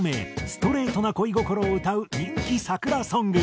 ストレートな恋心を歌う人気桜ソング。